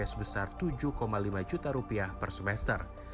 sebesar rp tujuh lima juta per semester